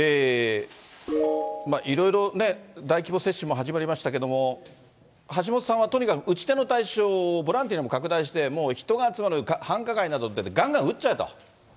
いろいろね、大規模接種も始まりましたけれども、橋下さんはとにかく、打ち手の対象をボランティアにも拡大して、もう人が集まる繁華街などでがんがん打っちゃえと。